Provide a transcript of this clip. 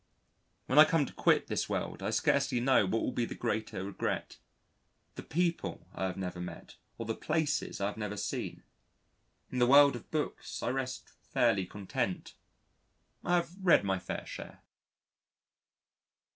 When I come to quit this world I scarcely know which will be the greater regret: the people I have never met, or the places I have never seen. In the world of books, I rest fairly content: I have read my fair share.